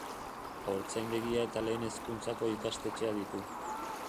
Haurtzaindegia eta lehen hezkuntzako ikastetxea ditu.